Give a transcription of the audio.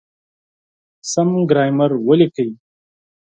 سم ګرامر وليکئ!.